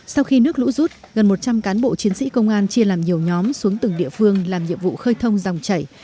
sau khi nước lũ rút gần một trăm linh cán bộ chiến sĩ công an chia làm nhiều nhóm xuống từng địa phương làm nhiệm vụ khơi thông dòng chảy